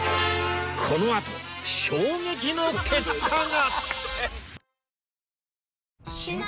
このあと衝撃の結果が